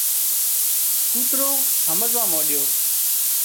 ڪوترو همزوا مانڏيو